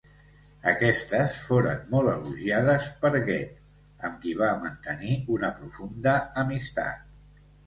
Aquestes foren molt elogiades per Goethe, amb qui va mantenir una profunda amistat.